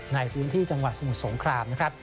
ในพื้นที่จังหวัดสมุทรสงครามนะครับ